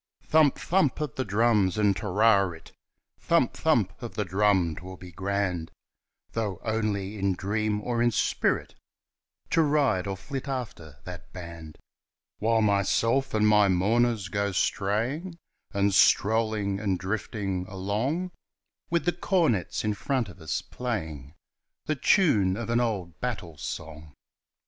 Thump ! thump ! of the drums and "Te ri rit," Thump ! thump ! of the drum 'twill be grand, Though only in dream or in spirit To ride or flit after that band ! While myself and my mourners go straying And strolling and drifting along, With the cornets in front of us playing The tune of an old battle song!